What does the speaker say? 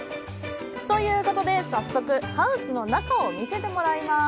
ということで早速ハウスの中を見せてもらいます。